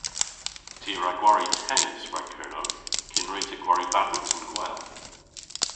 Ty a wra gwari tennis rag Kernow kyn wre'ta gwari badminton gwell.